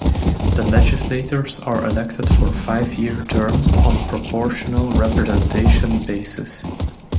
The legislators are elected for five year terms on a proportional representation basis.